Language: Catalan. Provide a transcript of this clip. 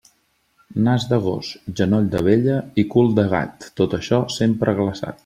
Nas de gos, genoll de vella i cul de gat, tot això sempre glaçat.